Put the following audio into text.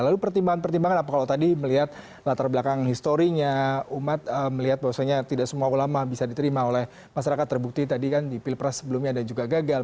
lalu pertimbangan pertimbangan apa kalau tadi melihat latar belakang historinya umat melihat bahwasanya tidak semua ulama bisa diterima oleh masyarakat terbukti tadi kan di pilpres sebelumnya dan juga gagal